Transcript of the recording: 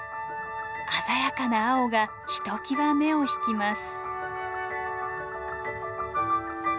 鮮やかな青がひときわ目を引きます。